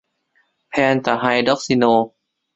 เพนตะไฮดรอกซิโน